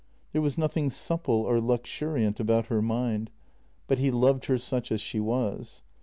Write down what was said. There was nothing supple or luxuriant about her mind — but he loved her such as she was.